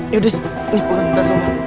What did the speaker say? yaudah sini panggil kita semua